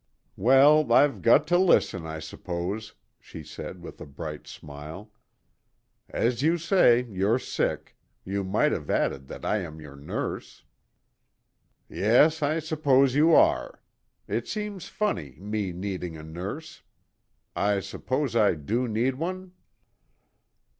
"Well, I've got to listen, I s'pose," she said, with a bright smile. "As you say, you're sick. You might have added that I am your nurse." "Yes, I s'pose you are. It seems funny me needing a nurse. I s'pose I do need one?"